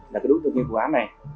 là cái đối tượng nghiên cứu án này